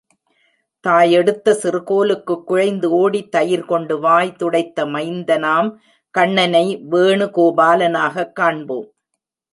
தாயெடுத்த சிறு கோலுக்குக் குழைந்து ஓடி, தயிர் உண்டு வாய் துடைத்த மைந்தனாம் கண்ணனை வேணு கோபாலனாகக் காண்போம்.